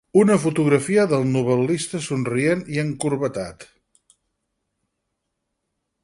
Una fotografia del novel·lista, somrient i encorbatat.